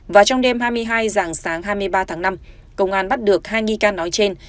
và trong đêm hai mươi hai dạng sáng hai mươi ba tháng năm công an bắt được hai nghi can nói trên